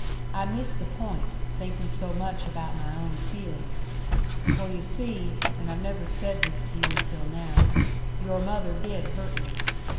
I missed the point, thinking so much about my own feelings. For you see and I've never said this to you until now your mother did hurt me.